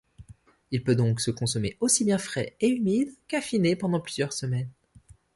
Il peut donc se consommer aussi bien frais et humide qu'affiné pendant plusieurs semaines.